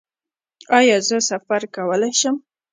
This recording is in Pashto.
ایا زه سفر کولی شم؟